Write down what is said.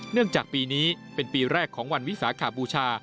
จากปีนี้เป็นปีแรกของวันวิสาขบูชา